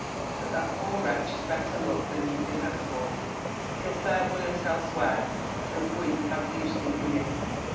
But that, poor wretch, is better luck than he can hope for — She'll fare worse elsewhere than we have used him here."